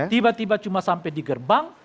tiba tiba cuma sampai di gerbang